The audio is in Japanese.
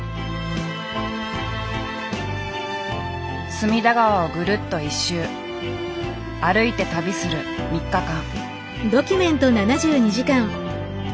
隅田川をぐるっと１周歩いて旅する３日間。